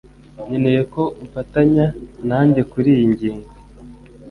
Nkeneye ko umfatanya nanjye kuriyi ngingo.